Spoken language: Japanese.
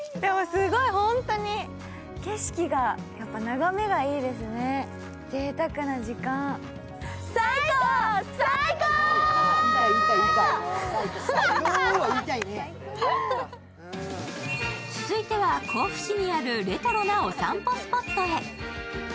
すごい、本当に景色が、眺めがいいですね、ぜいたくな時間続いては甲府市にあるレトロなお散歩スポットへ。